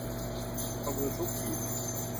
เอามือซุกหีบ